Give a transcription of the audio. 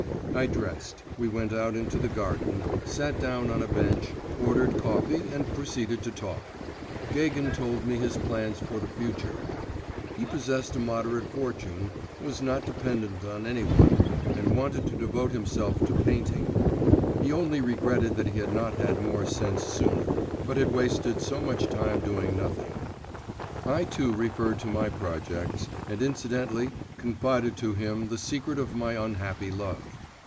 I dressed; we went out into the garden, sat down on a bench, ordered coffee, and proceeded to talk. Gagin told me his plans for the future; he possessed a moderate fortune, was not dependent on any one, and wanted to devote himself to painting. He only regretted that he had not had more sense sooner, but had wasted so much time doing nothing. I too referred to my projects, and incidentally confided to him the secret of my unhappy love.